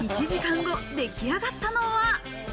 １時間後、出来上がったのは。